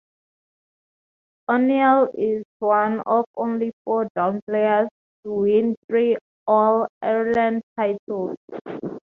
O'Neill is one of only four Down players to win three All-Ireland titles.